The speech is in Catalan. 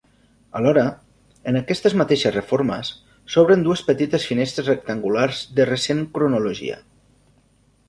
Alhora, en aquestes mateixes reformes, s'obren dues petites finestres rectangulars de recent cronologia.